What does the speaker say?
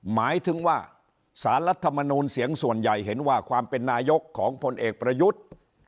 หมายถึงว่าสารรัฐมนูลเสียงส่วนใหญ่เห็นว่าความเป็นนายกของพลเอกประยุทธ์